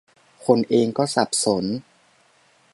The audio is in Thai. คนเองก็สับสน